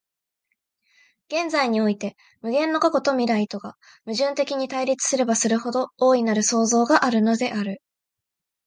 現在において無限の過去と未来とが矛盾的に対立すればするほど、大なる創造があるのである。